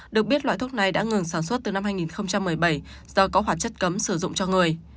được biết loại thuốc này đã ngừng sản xuất từ năm hai nghìn một mươi bảy do có hoạt chất cấm sử dụng cho người